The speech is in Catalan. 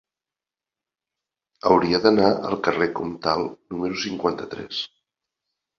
Hauria d'anar al carrer Comtal número cinquanta-tres.